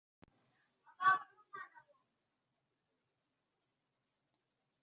Nitabye induru ndi Indatirwabahizi,